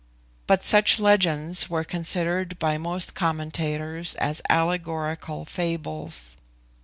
But such legends were considered by most commentators as allegorical fables.